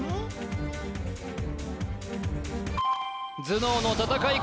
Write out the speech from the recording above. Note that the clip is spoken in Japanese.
頭脳の戦い